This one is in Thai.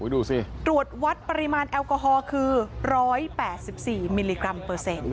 ดูสิตรวจวัดปริมาณแอลกอฮอล์คือ๑๘๔มิลลิกรัมเปอร์เซ็นต์